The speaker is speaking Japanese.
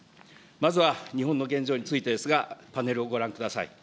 まずは日本の現状についてですが、パネルをご覧ください。